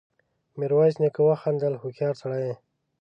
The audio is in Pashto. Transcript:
ميرويس نيکه وخندل: هوښيار سړی يې!